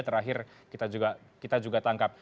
terakhir kita juga tangkap